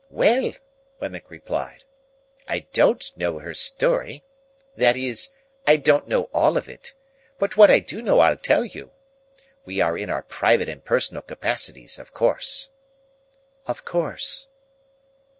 "Well!" Wemmick replied, "I don't know her story,—that is, I don't know all of it. But what I do know I'll tell you. We are in our private and personal capacities, of course." "Of course."